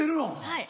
はい。